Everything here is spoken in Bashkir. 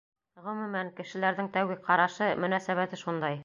Ғөмүмән, кешеләрҙең тәүге ҡарашы, мөнәсәбәте шундай.